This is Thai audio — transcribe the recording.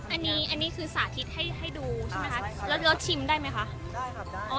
อันนี้อันนี้คือสาธิตให้ดูใช่ไหมคะแล้วชิมได้ไหมคะได้ครับได้